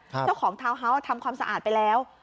เจ้าของทาวน์ฮาวทำความสะอาดไปแล้ว